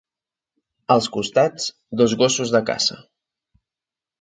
Als costats, dos gossos de caça.